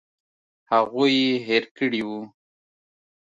هغوی یې هېر کړي وو.